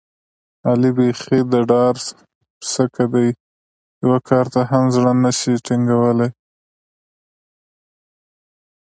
علي بیخي د ډار پسکه دی، یوه کار ته هم زړه نشي ټینګولی.